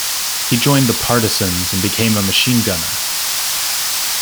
He joined the partisans and became a machine gunner.